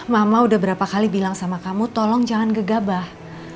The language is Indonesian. mama udah berapa kali bilang sama kamu tolong jangan gegabah